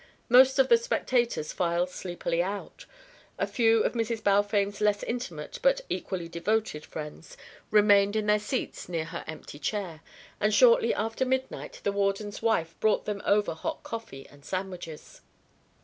Most of the spectators filed sleepily out. A few of Mrs. Balfame's less intimate but equally devoted friends remained in their seats near her empty chair, and shortly after midnight the warden's wife brought them over hot coffee and sandwiches.